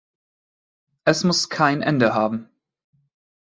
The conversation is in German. Es muss kein Ende haben.